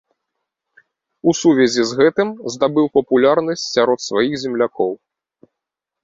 У сувязі з гэтым здабыў папулярнасць сярод сваіх землякоў.